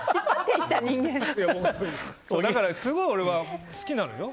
だからすごい俺は好きなのよ